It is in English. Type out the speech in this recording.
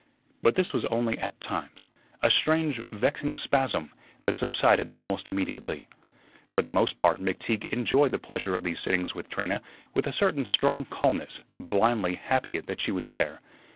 But this was only at times a strange, vexing spasm, that subsided almost immediately. For the most part, McTeague enjoyed the pleasure of these sittings with Trina with a certain strong calmness, blindly happy that she was there.